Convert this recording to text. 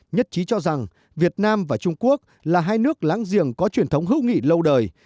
nhất trí cho rằng việt nam và trung quốc là hai nước láng giềng có truyền thống hữu nghị lâu đời